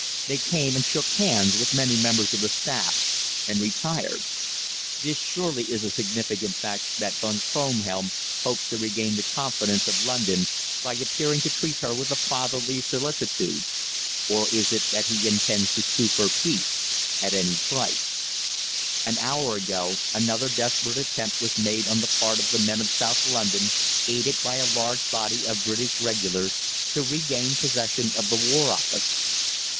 They came and shook hands with many members of the staff, and retired. This surely is a significant fact that Von Kronhelm hopes to regain the confidence of London by appearing to treat her with a fatherly solicitude. Or is it that he intends to sue for peace at any price? "An hour ago another desperate attempt was made on the part of the men of South London, aided by a large body of British regulars, to regain possession of the War Office.